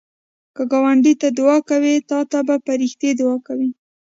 که ګاونډي ته دعا کوې، تا ته به فرښتې دعا کوي